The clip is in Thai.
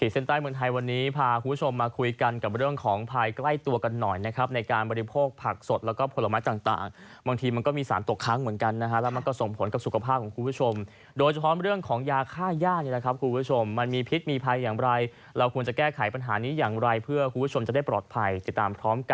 สวัสดีครับท่านผู้ชมครับวันนี้ขอแวกข่าวร้อนร้อนเรื่องการเมืองเรื่องพระ